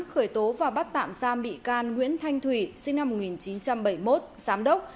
khởi tố và bắt tạm giam bị can nguyễn thanh thủy sinh năm một nghìn chín trăm bảy mươi một giám đốc